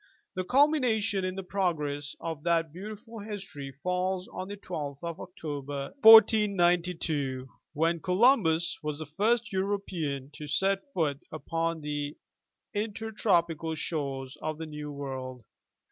The culmination in the progress of that beautiful history falls on the 12th of October, 1492, when Columbus was the first Euro pean to set foot upon the intertropical shores of the New World.